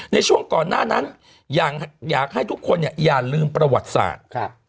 ในช่วงก่อนหน้านั้นอยากให้ทุกคนอย่าลืมประวัติศาสตร์